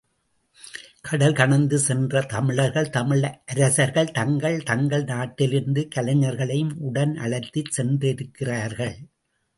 கடல் கடந்து சென்ற தமிழர்கள், தமிழ் அரசர்கள் தங்கள் தங்கள் நாட்டிலிருந்து கலைஞர்களையும் உடன் அழைத்துச் சென்றிருக்கிறார்கள்.